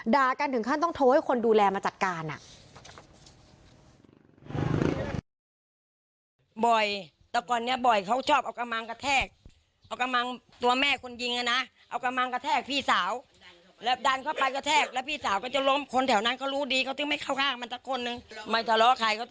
กันถึงขั้นต้องโทรให้คนดูแลมาจัดการ